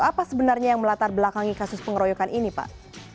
apa sebenarnya yang melatar belakangi kasus pengeroyokan ini pak